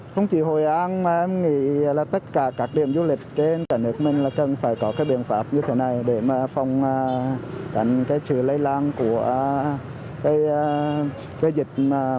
không chỉ hội an mà em nghĩ là tất cả các điểm du lịch trên cả nước mình là cần phải có cái biện pháp như thế này để mà phòng tránh sự lây lan của cái dịch